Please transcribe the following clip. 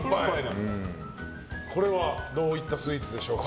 これはどういったスイーツでしょうか？